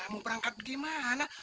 mau berangkat ke mana